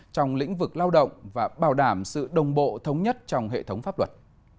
trong lĩnh vực lao động và bảo đảm sự đồng bộ thống nhất trong hệ thống pháp luật